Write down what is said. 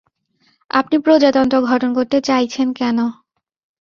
আপনি প্রজাতন্ত্র গঠন করতে চাইছেন কেন?